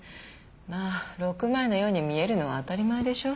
まあ６枚のように見えるのは当たり前でしょ？